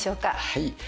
はい。